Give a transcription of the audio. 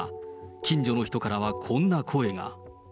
近所の人からはこんな声が。